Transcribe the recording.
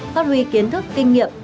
phát huy kiến thức kinh nghiệm